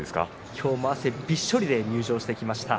今日も汗びっしょりで入場してきました。